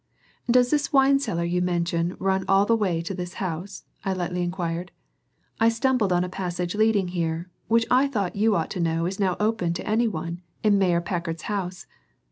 "Did this wine cellar you mention run all the way to this house?" I lightly inquired. "I stumbled on a passage leading here, which I thought you ought to know is now open to any one in Mayor Packard's house.